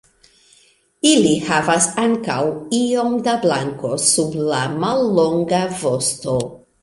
Ili havas ankaŭ iom da blanko sub la mallonga vosto.